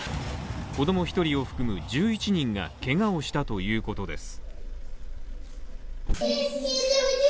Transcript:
子供１人を含む１１人がけがをしたということです。